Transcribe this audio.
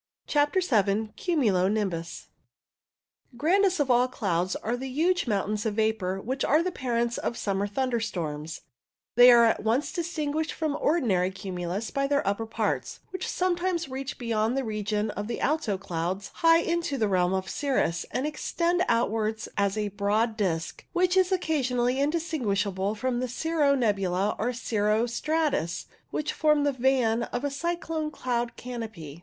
CHAPTER Vll CUMULO NIMBUS Grandest of all clouds are the huge mountains of vapour which are the parents of summer thunder storms. They are at once distinguished from ordinary cumulus by their upper parts, which some times reach beyond the region of the alto clouds high into the realm of cirrus, and extend outwards as a broad disc, which is occasionally indistinguish able from the cirro nebula and cirro stratus which form the, van of a cyclone cloud canopy.